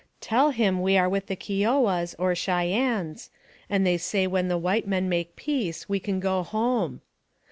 Tell him we are with the Kio wahs, or Cheyennes; and they say when the white men make peace we can go home.